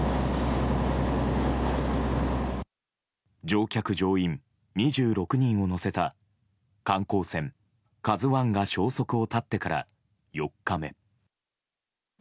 乗客・乗員２６人を乗せた観光船「ＫＡＺＵ１」が消息を絶ってから４日目。